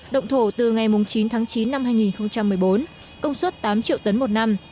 động thổ từ ngày chín tháng chín năm hai nghìn một mươi bốn công suất tám triệu tấn một năm